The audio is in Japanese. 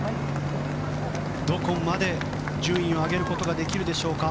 どこまで順位を上げることができるでしょうか。